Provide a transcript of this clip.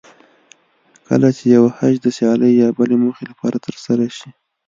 کله چې یو حج د سیالۍ یا بلې موخې لپاره ترسره شي.